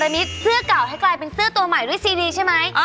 มีเสื้อเก่าให้กลายเป็นเสื้อตัวใหม่ด้วยซีรีใช่ไหม